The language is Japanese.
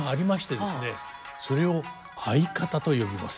それを合方と呼びます。